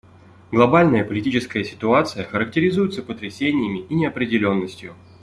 Глобальная политическая ситуация характеризуется потрясениями и неопределенностью.